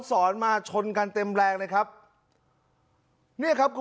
สอนมาชนกันเต็มแรงเลยครับเนี่ยครับคุณ